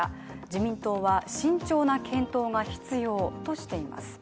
自民党は慎重な検討が必要としています。